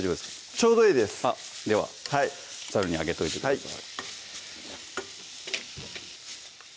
ちょうどいいですではざるに上げといてください